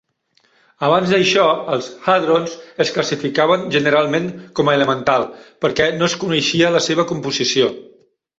Abans d'això els hadrons es classificaven generalment com a elemental perquè no es coneixia la seva composició.